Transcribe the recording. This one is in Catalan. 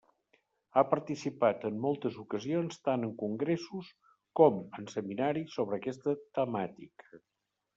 Ha participat en moltes ocasions tant en congressos com en seminaris sobre aquesta temàtica.